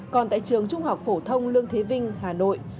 còn tại trường trung học phổ thông lương thế vinh hà nội